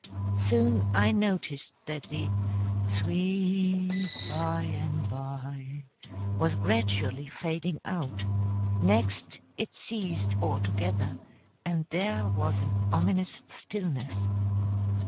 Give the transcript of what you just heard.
Soon I noticed that the "Sweet By and By" was gradually fading out; next it ceased altogether, and there was an ominous stillness.